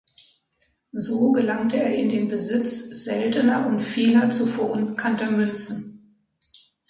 So gelangte er in den Besitz seltener und vieler zuvor unbekannter Münzen.